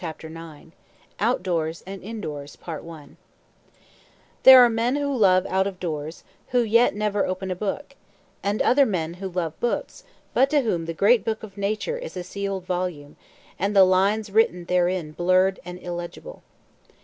CHAPTER IX OUTDOORS AND INDOORS There are men who love out of doors who yet never open a book; and other men who love books but to whom the great book of nature is a sealed volume, and the lines written therein blurred and illegible.